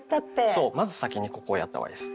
そうまず先にここをやった方がいいです。